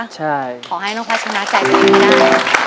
ใช่ขอให้น้องภาษณ์ชนะใจตัวเองนะคะ